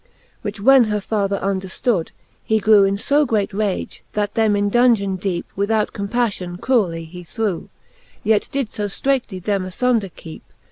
Which when her father underftood, he grew In fo great rage, that them in dongeon deepe Without compaflion cruelly he threw ; Yet did fo ftreightly them afunder keepe.